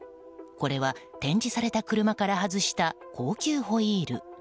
これは展示された車から外した高級ホイール。